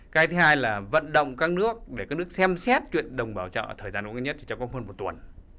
cái thứ hai là vận động các nước để các nước xem xét chuyện đồng bảo trợ thời gian nóng nhất trong hơn một tuần